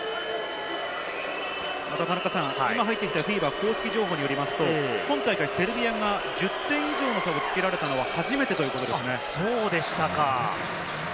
今入ってきたＦＩＢＡ公式情報によりますと、今大会、セルビアが１０点以上の差をつけられたのはそうでしたか。